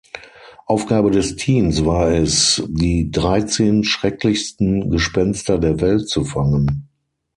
Aufgabe des Teams war es, die dreizehn schrecklichsten Gespenster der Welt zu fangen.